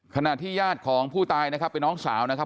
ขณะที่ญาติของผู้ตายนะครับเป็นน้องสาวนะครับ